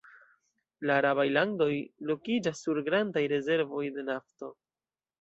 La arabaj landoj lokiĝas sur grandaj rezervoj de nafto.